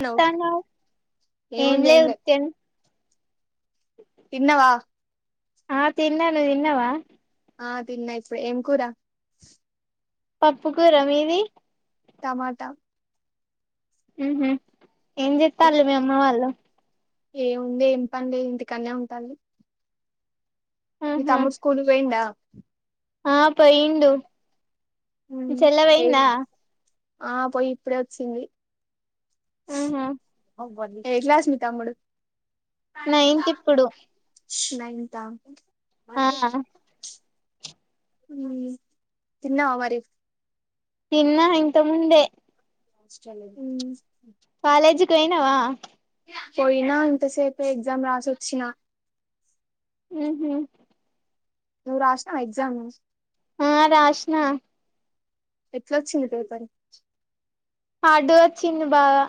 Hello తాను ఏంజేయ ఉత్తను తిన్నవా ఆ తిన్నాను నువ్వు తిన్నవా ఆ తిన్న ఇప్పుడే ఏం కూరా పప్పు కూర మీది టమాట ఉహు ఏం చెత్తాళ్ళు మీ అమ్మ వాళ్ళు ఏముంది ఏం పని లేదు ఇంటికనే ఉంటంది మీ ఆహా తమ్ముడు స్కూల్ పోయిండ ఆ పోయిండు మీ ఉమ్. చెల్లె ఏ పోయిందా ఆ పోయి ఇప్పుడే వచ్చింది ఆహా హౌ బది ఏ క్లాస్ మీ తమ్ముడు నైన్త్ ఇప్పుడు నైన్త్ ఆ ఆ మళ్ళీ హ్మ్మ్ తిన్నావా మరి తిన్న ఇంత ముందే హ్మ్మ్ కాాలేజ్కి పోయినవ పోయినా ఇంత సేపు ఎక్జామ్ రాసి వచ్చిన ఉహు నువు రాసినవ ఎగ్జామ్ ఆ రస్నా ఎట్లాొచ్చింది పేపర్ హార్డ్ వచ్చింది బాగా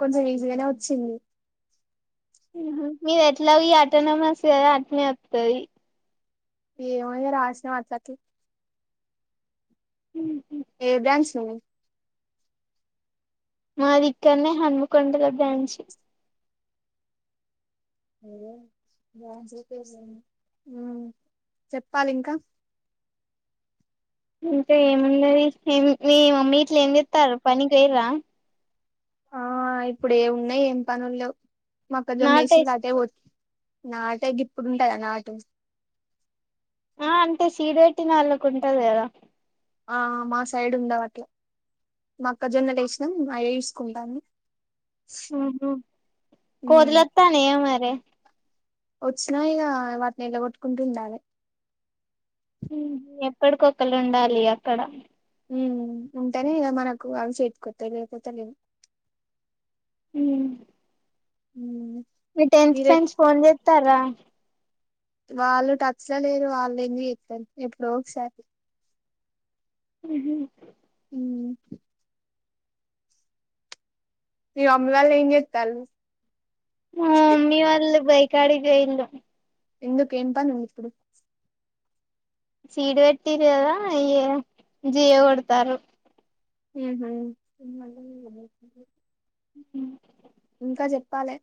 కొంచం ఈజీగానే వచ్చింది మీరు ఎట్లా ఈ ఆటోనమౌస్ కదా అట్నే వస్తుది ఏమో ఇగ రాసినం అట్లా అట్లా హ ఏ బ్రాంచ్ నువు మాదిక్కడనే హన్మకొండల దంచి హ్మ్మ్ చెప్పాలి ఇంకా ఇంకా ఏమున్నది ఏం మ్ మమ్మీ గిట్ల ఏం చెతర్రు పనికి పోయిర్రా ఆ ఇప్పుడు ఏ ఉన్నాయి ఏం పనులు లేవ్ మక్కా జొన్న ఏసిండ్లు నాటేస్ అటే పోతుర్రు నాట గిప్పుడుంటంద నాటు ఆ అంటే సీడెట్టి నాళ్ళకు ఉంటది కదా ఆ మా సైడ్ ఉండావు అట్లా మాక్కజొన్న లే వేసినాం అయే చూసుకుంతాంది ఉహు ఉమ్ కోతులు అత్తనయ మరి [inaudible] వచ్చినా ఇక వాటిని వెలగొట్టుకుంటు ఉండాలి ఎక్కడికొక్కరు ఉండాలి అక్కడ ఉ ఉంటేనే ఇద మనకు అవి చేతికత్తాయి లేకపోతే లేవు హ్మ్మ్ ఉ మీ టెన్త్ ఫ్రెండ్స్ ఫోన్ చేస్తారా [inaudible] వాళ్ళు టచ్లా లేరు వాళ్ళు ఏమి ఎట్ారు ఎప్పుడు ఒకసారి ఉ ఉ మీ మమ్మీ వాళ్ళు ఏం చెత్తండ్లు మీ వాళ్లు బై గడిగా ఇల్లు ఎందుకు ఏం పని ఇప్పుడు సీడ్ పెట్టిది కదా ఇయ జియో కొడుతారు ఏదో [inaudible] ఇంకా చెప్పాలి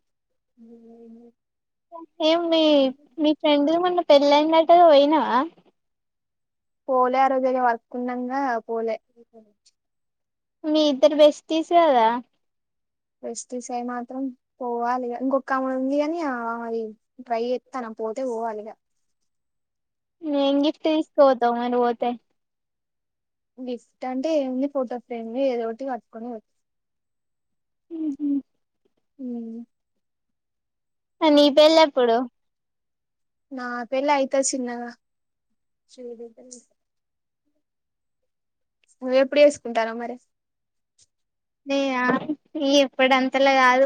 ఏం మీ మీ ఫ్రెండ్లు మొన్న పెళ్లయిన వెంటనే పోయినా పోలే ఆరోగ్యంగా వర్క్ ఉన్నాంగా పోలే మీ ఇద్దరు బెస్టీస్ కదా బెస్టీస్ మాత్రం పోవాలిగా ఇంకొక్క ఆమె ఉంది అని మరి ట్రై చేస్తాను పోతే పోవాలిగా మేం గిఫ్ట్ తీసుకుపోతాం మరి పోతే గిఫ్ట్ అంటే ఏమింది ఫోటో ఫ్రేమ్ ని ఏదో ఒకటి కట్టుకొని పోతారు ఉ ఉ హు నీ పెళ్ళెప్పుడు నా పెళ్లి అయితే చిన్నగా నువ్వు ఎప్పుడు చేసుకుంటున్నావు మరి నేనా ఇప్పుడంతలా కాదు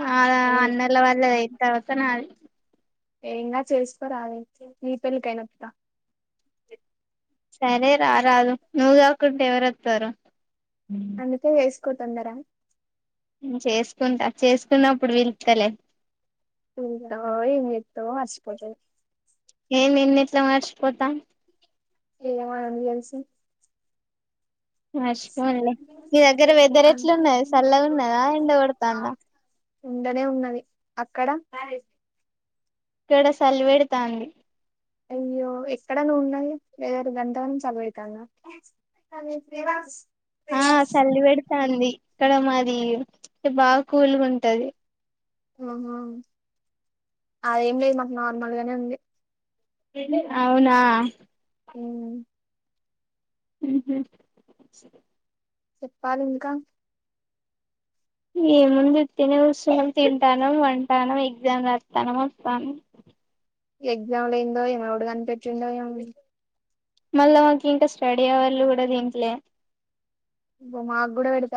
నాదా ముందు అన్నవల్ల అయిపో [unintelligible] తర్వాత నాది ఏం కాదు చేసుకోరాదు నీ పెళ్లికైనా వస్తా సరే రారారు నువ్వు కాకుంటే ఎవరుత్తారు అందుకే చేసుకుంటా తొందర రా చేసుకుంటా చేసుకున్నప్పుడు పిలుస్తాలే ఇంకా ఏం చేస్తావ్ అలసిపోతావ్ ఏమి ఎన్నిట్లా మర్చిపోతాం ఏమో ఎవనికి తెలుసు మర్చిపోనులే మీ దగ్గర వెదర్ ఎట్లా ఉన్నది చల్ల ఉన్నదా ఎండ కొడతాందా ఎండనే ఉన్నది అక్కడ ఇక్కడ చలి పెడతాంది అయ్యో ఎక్కడ ను ఉన్నాయి వెదర్ గంతగనం చలిపెడతాంది ఆ చలి పెడతాంది ఇక్కడ మాది అ బాగా కూల్ గా ఉంటది ఆహ అదేం లేదు మాకు నార్మల్గానే ఉంది అవునా హు చెప్పాలి ఇంకా ఏముందు తనే ఉస్తుని తింటాను పంటున్నాం ఎగ్జామ్ రాస్తున్నాం వస్తానం ఎగ్జామ్ ఏందో ఏమో ఎవరు కనిపెట్టిండు ఏమో మళ్ళా మాకు ఇంకా స్టడీ అవర్లో కూడా దిన్లే మాకు కూడా పెడత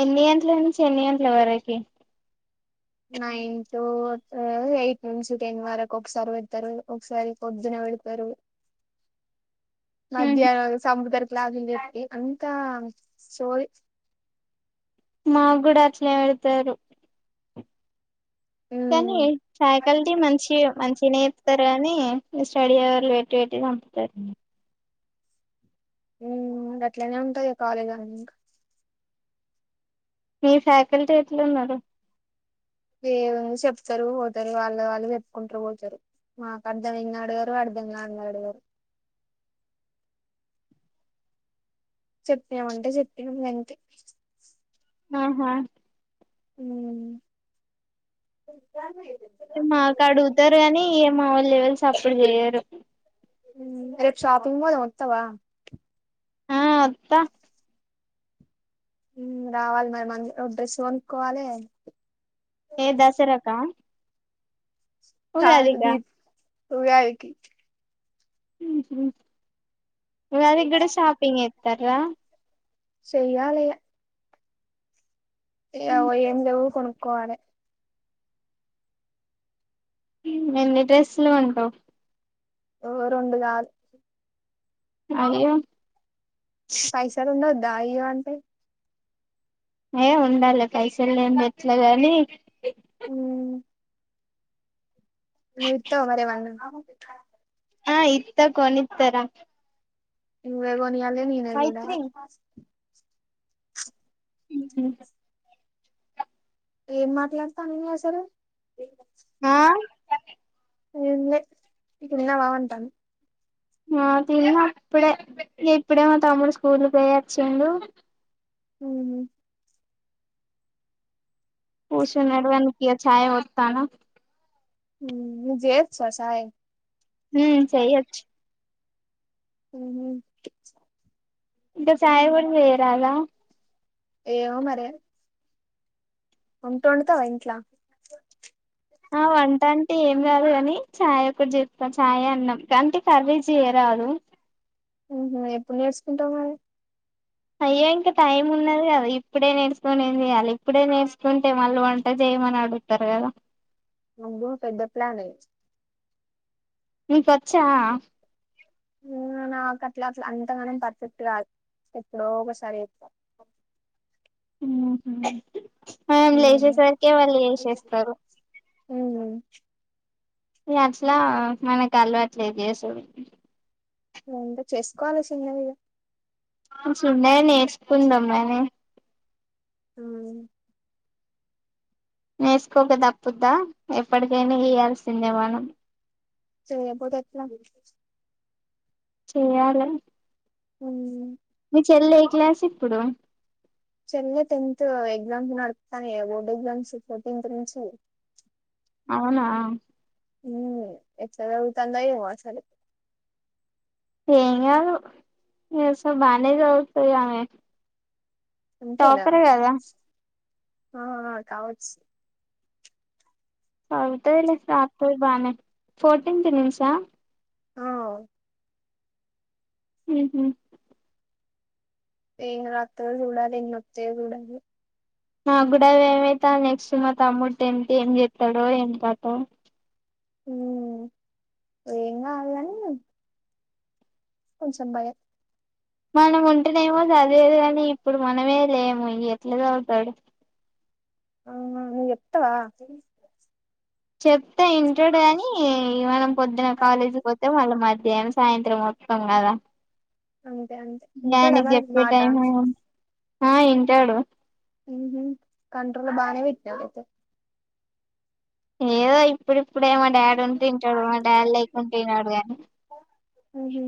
ఎన్ని గంటల నుంచి ఎన్ని గంటల వరకి నైన్ టు ఎయిట్ నుంచి టెన్ వరకు ఒకసారి పెడతరు ఒకసారి పొద్దున పెడతరు మధ్యాహ్నం సంపుతరు [unintelligible] అంతా సోది మాకు కూడా అట్లనే పెడతరు కానీ ఉమ్ ఫ్యాకల్టీ మంచిగ మంచిగనే చెప్తరు స్తరు కాని ఈ స్టడీ అవర్లు పెట్టి పెట్టి చంపుతరు ఉ గట్లనే ఉంటది ఇగ కాలేజి అన్నంకా మీ ఫ్యాకల్టీ ఎట్లున్నరు ఏముంది చెప్తరు పోతరు వాళ్ళది వాళ్ళు చెప్పుకుంటరు పోతరు మాకు అర్ధం అయ్యిందా అడగరు అర్ధం కానిది అడగరు చెప్పినమంటె చెప్పినం అంతే. ఆహా ఆమ్- మాకు అడుగుతారు గాని ఏ మా వాళ్ళు ఎవరు సప్పుడు చేయరు రేపు షాపింగ్ పోదాం వత్తవా ఆ వత్తా రావాలి మరి మ ఒక డ్రెస్ కొనుక్కోవాలే ఏ దసరకా కాదు ఉగాదిక దీప్ ఉగాదికి ఉహు మీ డాడీకి గూడ షాపింగ్ జెతారా చేయాలిగా అగో ఏంలేవు కొనుకోవాలే ఎన్ని డ్రెస్సులు కొంటవ్ ఓ రెండు సాల్ అయ్యో పైసల్ ఉండొద్ ద్దా అయ్యో అంటే ఏ ఉండాలి పైసలు లేనిది ఎట్ల కని ఉమ్ నువ్ ఇత్తవా మరి ఏమన్నా ఆ ఇత్త కొనిత్తరా నువ్వే గొన్ నియాలే నెనే మైత్రి సుడాలే ఉహు ఏం మాట్లాడతాన్నవు నువ్వు అసలు ఆ ఏం లె తిన్నవా అంటాంది ఆ తిన్న అప్పుడే ఇప్పుడే మా తమ్ముడు స్కూల్కి పోయి వచ్చిండు ఉమ్ [unintelligible] నడవానికి ఇగ ఛాయ్ పొత్తాన్నా ఉమ్ నీకు జేయొచ్చా చాయ్ ఉమ్ చెయ్యొచ్చు ఉమ్ ఇంగ చాయ్ కూడా చేయారాదా ఏమో మరి వొంట్ వండుతాద ఇంట్లో ఆ వంట అంటే ఏం రాదు గాని చాయ్ ఒకటి చెప్పుతా చాయ్ అన్నం కాంటే కర్రీ జెయ రాదు మ్మ్ హు ఎప్పుడు నేర్చుకుంటాం నువు అయ్యో ఇంకా టైం ఉన్నది గదా ఇప్పుడే నేర్చుకొని ఏం చెయాలి ఇప్పుడే నేర్చుకుంటే మళ్ళీ వంట చేయమని అడుగుతారు కదా అమ్మో పెద్ద ప్లానే నిక్ వచ్చా నాకు అట్లా అట్లా అంతగానే పర్ఫెక్ట్ గాదు ఎప్పుడో ఒకసారి చేత్తా మ్మ్ హ్మ్ ఆయన లేసె ఉహు సరకె వాళ్ళు జెసేస్తారు మ్మ్ మి అట్లా మనకలవాట్లే జేసుడు ఇంగ చేసుకోవాలి చిన్నవి ఆ చిన్నగ నెర్సుకుందమ్మాని మ్మ్ నేసుకోక ధపుధ ఎప్పటికైనా ఎయాల్సిందే మనం చేయక పోతే ఎట్ల చేయాలె మ్మ్ చెల్లె ఏ క్లాస్ ఇప్పుడు సరిగా టెన్త్ ఎగ్జామ్స్ నడుపుతానే బోర్డ్ ఎగ్జామ్స్ ఫోర్టీన్త్ నుంచి అవునా మ్మ్ ఎట్లా సదువుతాందో ఏమో అసలు ఎంగాదు ఎస బానే చదువుతది ఆమె అంతేనా టాపర్ కదా ఆ కావచ్ సవుతలే సార్ తి బానే ఫోర్టీన్త్ నుంచా ఆ మ్మ్ హ్మ్ ఏ రాత్రి జూడలి ఇంగ నఫతే జ ఉడాలి నాకూడా వి ఏమైతా నెక్స్ట్ మా తమ్ముడు టెన్త్ ఏం చెత్తాడో ఏం కథో మ్మ్ ఏం కాదు గని కొంచెం భయం మనం ఉంటేనేమో చదివేదు కాని ఇప్పుడు మనమే లేము ఎట్లా చదువుతాడు ఆ నువ చెప్తవా చెప్తా ఇంటాడు కానీ మనం పొద్దున కాలేజీ పోతే వాళ్ళు మధ్యాహ్నం సాయంత్రం మొత్తాం కదా అంతే అంతే ఇగ ఆయనకి ఉంటాడమరి చెప్పే మాట టైం ఆ వింటాడు మ్మ్ హు కంట్రోల్ బానే పెట్నవయితే ఏదో ఇప్పుడు ఇప్పుడే మా డాడీ ఉంటే వింటాడు మా డాడీ లేకుంటే వినడు గాని ఉహు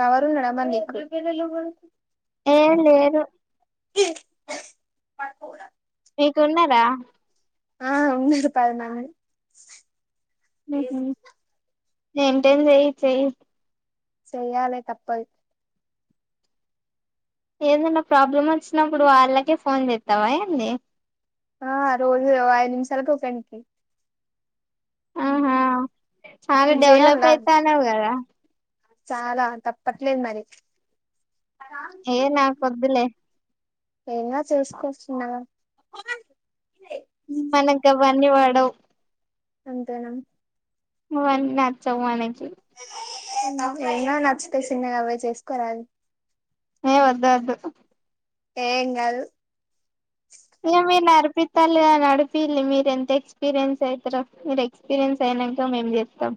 లవర్ ఉన్నాడా మరి నీకు ఏ లేదు చీ మీకు ఉన్నారా ఆ ఉన్నారు పదిమంది హుహు [unintelligible] చేయి చేయాలే తప్పదు ఏదన్నా ప్రాబ్లమ్ వచ్చినప్పుడు వాళ్ళకే ఫోన్ చేస్తావా ఏంది ఆ రోజు ఐదు నిమిషాలకు ఒకక ఆహా ఆగా నువ్వు డెవలప్ చేయాలా అయితా అ నవగ చాలా తప్పట్లేదు మరి ఏనా కొద్దులే ఏనా చేసుకొ చిన్నగా వన్నివాడవ్ అంతేనా నచ్చవు మనకి ఎన్నో నచ్చుతాయి అవే చేసుకోరాదు. వద్దు వద్దు ఎంగాదు నవ్వునారు నడిపి తల్లి కదా నడిపి మీరు ఎంత ఎక్స్పీరియన్స్ అవుతారా మీరు ఎక్స్పీరియన్స్ అయినాక మేం చెప్తాం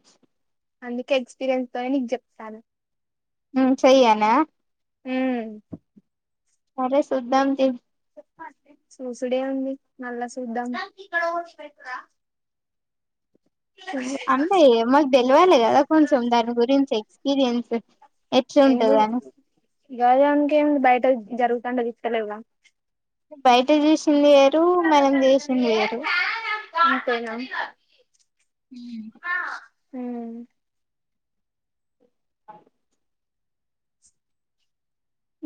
అందుకే ఎక్స్పీరియన్స్ తోనే నీకు చెప్తాన్న చేయనా హు సరే సుద్దం తీ చూసుడే ఉంది మల్లా చూద్దాం అంటే ఏమో తెెలవాలి కదా కొంచెం దాని గురించి పేరెన్స్ ఎది అన్క బయట జరుగుతుండ సూతలేవా బయటే చసి వేరు మనం చేసింది వేరు అంతేనా హ అ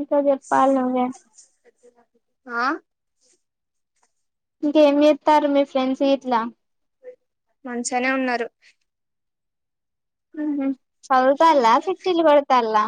ఇకా చెప్పల్ నువ్వే ఆ ఇకేమి సేస్తారు మీ ఫ్రెండ్స్ గిట్లా మంచిగానే ఉన్నారు హుహు సాధువుతల్ల సిట్లి బెడతల్లా